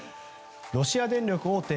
ロシア電力大手